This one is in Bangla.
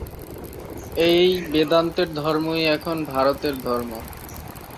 এই বেদান্তের ধর্মই এখন ভারতের ধর্ম।